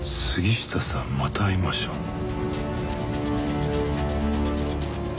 「杉下さんまた会いましょう」。